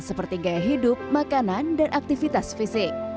seperti gaya hidup makanan dan aktivitas fisik